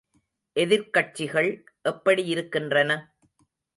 எதிர்க்கட்சிகள் எப்படி இருக்கின்றன?